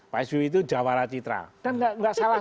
pak sbi itu jawara citra dan enggak salah